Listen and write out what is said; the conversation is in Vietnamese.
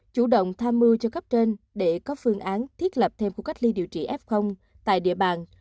chủ động tham mưu cho cấp trên để có phương án thiết lập thêm khu cách ly điều trị f tại địa bàn